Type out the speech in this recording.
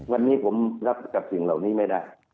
วันนี้ผมรับกับสิ่งเหล่านี้ไม่ได้